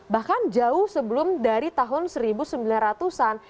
bahkan jauh sebelum dari tahun seribu sembilan ratus an